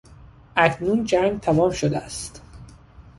اکنون جنگ تمام شده است.